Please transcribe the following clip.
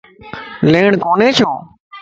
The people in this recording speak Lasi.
ليڻ ڪوني ڇو؟